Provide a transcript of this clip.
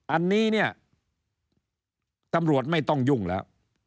อันนี้เนี่ยตำรวจไม่ต้องยุ่งแล้ว